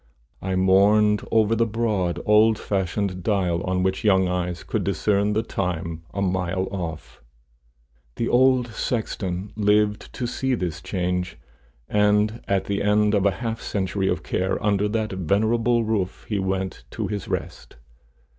I mourned over the broad, old fashioned dial, on which young eyes could discern the time a mile off. The old sexton lived to see this change, and at the end of half a century of care under that venerable roof he went to his rest.